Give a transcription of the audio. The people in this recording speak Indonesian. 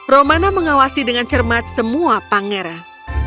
romana mengawasi dengan cermat semua pangeran